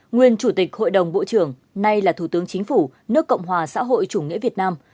nguyên chủ tịch hội đồng bộ trưởng nay là thủ tướng chính phủ nước cộng hòa xã hội chủ nghĩa việt nam